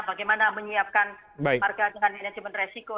bagaimana menyiapkan kemarga dengan management resiko